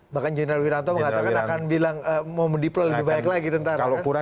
bahkan general wiranto mengatakan akan bilang mau mendeploy lebih baik lagi tentara